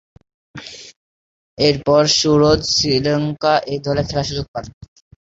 এরপর সুরজ শ্রীলঙ্কা এ-দলে খেলার সুযোগ পান।